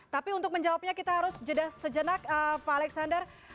tapi untuk menjawabnya kita harus sejenak pak alexander